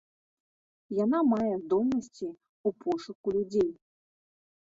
Яна мае здольнасці ў пошуку людзей.